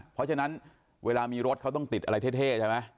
เพราะฉะนั้นเวลามีรถเขาต้องติดอะไรเท่ใช่ไหม